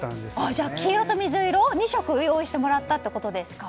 じゃあ、黄色と水色、２色用意してもらったってことですか。